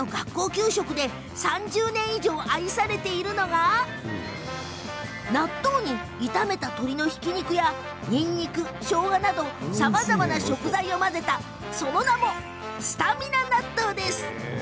給食で３０年以上、愛されているのが納豆に、炒めた鶏のひき肉やにんにく、しょうがなどさまざまな食材を混ぜたその名も、スタミナ納豆。